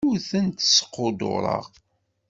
Ur tent-squddureɣ.